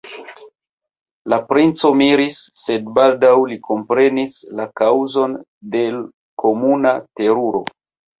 La princo miris, sed baldaŭ li komprenis la kaŭzon de l' komuna teruro.